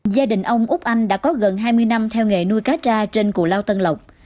gia đình ông úc anh đã có gần hai mươi năm theo nghề nuôi cá tra trên cù lao tân lộc